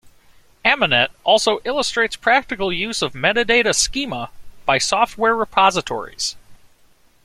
Aminet also illustrates practical use of metadata schema by software repositories.